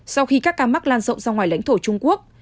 sau khi các ca mắc lan rộng ra ngoài lãnh thổ trung quốc